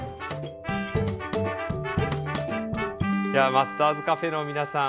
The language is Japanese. マスターズＣａｆｅの皆さん